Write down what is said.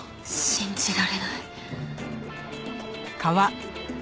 信じられない。